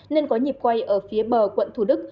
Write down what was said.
nên có nhịp quay ở phía bờ quận thủ đức